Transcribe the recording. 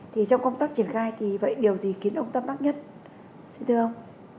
thì trong công tác triển khai thì vậy điều gì khiến ông tâm đắc nhất xin thưa ông